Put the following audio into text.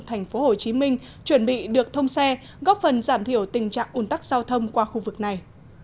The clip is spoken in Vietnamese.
thành phố hồ chí minh chuẩn bị được thông xe góp phần giảm thiểu tình trạng ủn tắc giao thông qua khu vực này